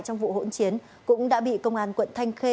trong vụ hỗn chiến cũng đã bị công an quận thanh khê